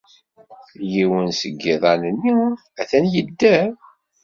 Yiwen seg yiḍan-nni atan yedder.